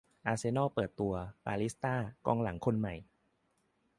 อาร์เซน่อลเปิดตัว "เปาลิสต้า" กองหลังคนใหม่